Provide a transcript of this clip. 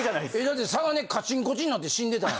だってさがねカチンコチンになって死んでた。